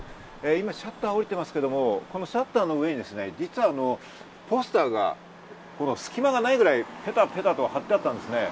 今シャッターが下りていますけど、このシャッターの上に実はポスターが隙間がないくらいベタベタと貼ってあったんですね。